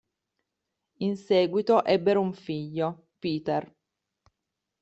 In seguito ebbero un figlio, Peter.